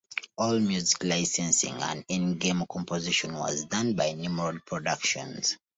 All music licensing and in-game composition was done by Nimrod Productions.